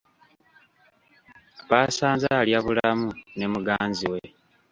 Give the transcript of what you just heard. Baasanze alya bulamu ne muganzi we.